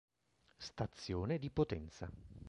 Stazione di Potenza